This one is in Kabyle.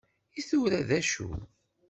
I tura d acu?